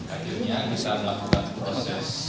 akhirnya kita melakukan proses